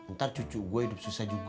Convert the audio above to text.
ntar cucu gue hidup susah juga